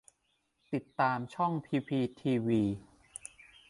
ติดตามช่องพีพีทีวี